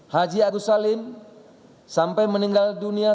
haji agus salim sampai meninggal dunia